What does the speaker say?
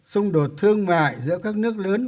xung đột thương mại giữa các nước lớn